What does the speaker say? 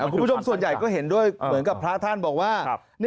คุณผู้ชมส่วนใหญ่ก็เห็นด้วยเหมือนกับพระท่านบอกว่า